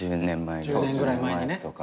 １０年ぐらい前にね。